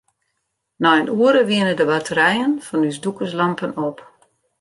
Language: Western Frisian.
Nei in oere wiene de batterijen fan ús dûkerslampen op.